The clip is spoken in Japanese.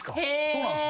そうなんす。